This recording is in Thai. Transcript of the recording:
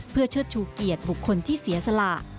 เพื่อเชิดชูเกียรติบุคคลที่เสียสละ